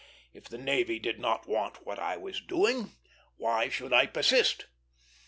If the navy did not want what I was doing, why should I persist?